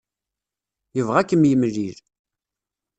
Yebɣa ad kem-yemlil.